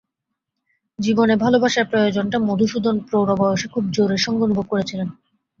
জীবনে ভালোবাসার প্রয়োজনটা মধুসূদন প্রৌঢ় বয়সে খুব জোরের সঙ্গে অনুভব করেছিল।